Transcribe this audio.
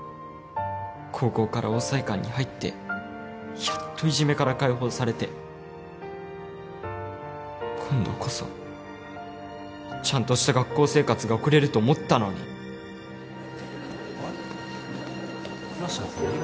高校から桜彩館に入ってやっといじめから解放されて今度こそちゃんとした学校生活が送れると思ったのに・倉科さん２番？